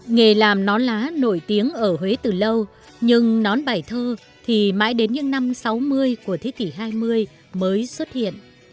nghề làm nón lá nổi tiếng ở huế từ lâu nhưng nón bài thơ thì mãi đến những năm sáu mươi của thế kỷ hai mươi mới xuất hiện